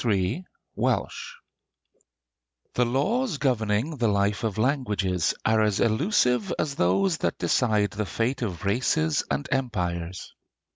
III WELSH The laws governing the life of languages are as elusive as those that decide the fate of races and empires.